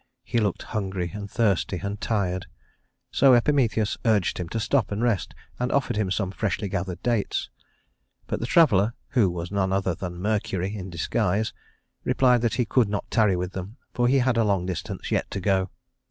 He looked hungry and thirsty and tired, so Epimetheus urged him to stop and rest, and offered him some freshly gathered dates. But the traveler who was none other than Mercury in disguise replied that he could not tarry with them, for he had a long distance yet to go.